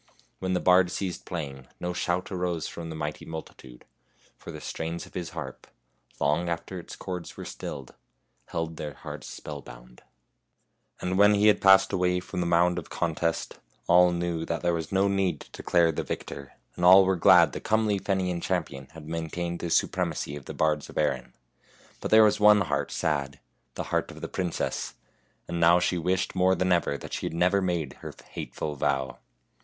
When the bard ceased playing no shout arose from the mighty multitude, for the strains of his harp, long after its chords were stilled, held their hearts spellbound. And when he had passed away from the mound of contest all knew there was no need to declare the victor. 9 And all were glad the comely Fenian champion had maintained the supremacy THE HUNTSMAN'S SON 95 of the bards of Erin. But there was one heart sad, the heart of the princess; and now she wished more than ever that she had never made her hateful vow.